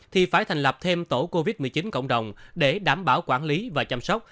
thì phải thành lập thêm tổ covid một mươi chín cộng đồng để đảm bảo quản lý và chăm sóc